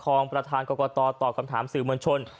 ประธานกรกตตอบคำถามสื่อมวลชน